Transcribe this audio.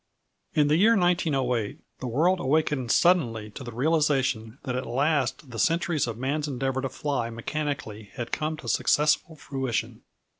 In the year 1908 the world awakened suddenly to the realization that at last the centuries of man's endeavor to fly mechanically had come to successful fruition.